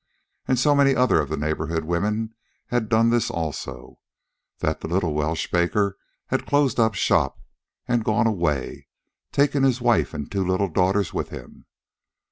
And so many other of the neighborhood women had done this, that the little Welsh baker had closed up shop and gone away, taking his wife and two little daughters with him.